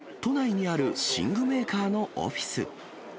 訪ねたのは、都内にある寝具メーカーのオフィス。